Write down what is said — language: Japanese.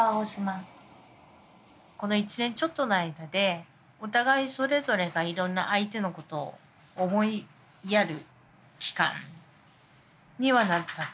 この１年ちょっとの間でお互いそれぞれがいろんな相手のことを思いやる期間にはなったと思うので。